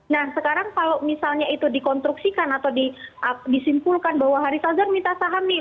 nah sekarang kalau misalnya itu dikonstruksikan atau disimpulkan bahwa haris azhar minta saham nih